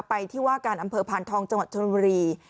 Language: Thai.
ไปที่ว่าการอำเภอพานทองจังหวัดชนบุรี